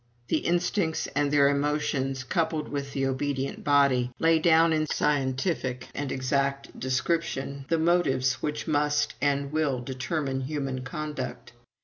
... "The instincts and their emotions, coupled with the obedient body, lay down in scientific and exact description the motives which must and will determine human conduct.